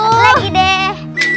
satu lagi deh